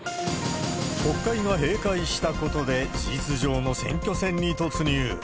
国会が閉会したことで、事実上の選挙戦に突入。